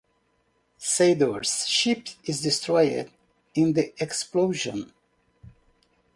Sador's ship is destroyed in the explosion.